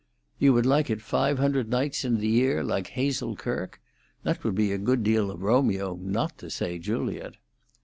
"You would like it five hundred nights in the year, like Hazel Kirke? That would be a good deal of Romeo, not to say Juliet."